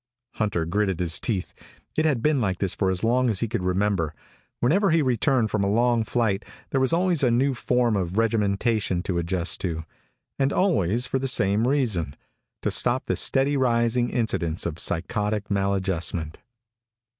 Hunter gritted his teeth. It had been like this for as long as he could remember. Whenever he returned from a long flight there was always a new form of regimentation to adjust to. And always for the same reason to stop the steadily rising incidence of psychotic maladjustment.